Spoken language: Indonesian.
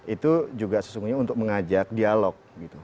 itu juga sesungguhnya untuk mengajak dialog